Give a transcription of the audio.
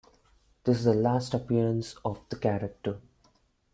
This is the last appearance of the character.